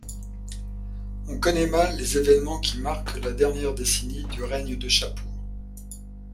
On connaît mal les événements qui marquent la dernière décennie du règne de Chapour.